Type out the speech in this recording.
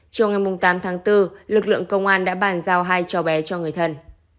trong ngày tám tháng bốn lực lượng công an đã bàn giao hai cháu bé cho người thân